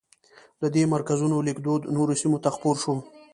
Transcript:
له دې مرکزونو لیکدود نورو سیمو ته خپور شو.